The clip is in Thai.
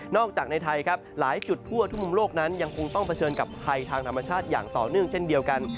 จากในไทยครับหลายจุดทั่วทุกมุมโลกนั้นยังคงต้องเผชิญกับภัยทางธรรมชาติอย่างต่อเนื่องเช่นเดียวกัน